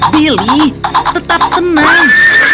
billy tetap tenang